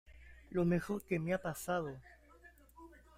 lo mejor que me ha pasado.